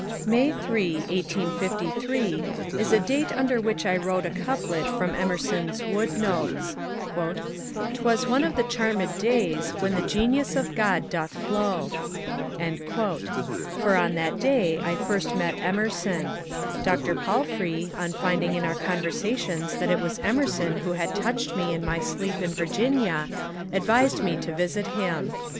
May 8, 1853, is a date under which I wrote a couplet from Emerson's " Woodnotes," — Twas one of the charm^ days When the genius of Grod doth flow. — for on that day I first met Emerson. Dr. Palfrey, on find ing in our conversations that it was Emerson who had touched me in my sleep in Virginia, advised me to visit him.